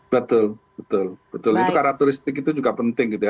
betul betul itu karakteristik itu juga penting gitu ya